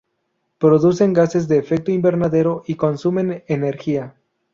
Producen gases de efecto invernadero y consumen energía.